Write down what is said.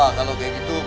wah kalau kayak gitu